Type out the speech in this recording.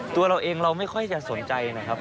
ตัวเราเองเราไม่ค่อยจะสนใจนะครับ